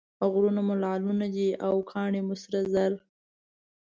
غرونه مو لعلونه دي او کاڼي مو سره زر.